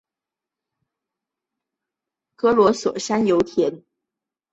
格罗索山油田是一处位于南亚平宁地区的油田。